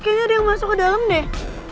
kayaknya ada yang masuk ke dalam deh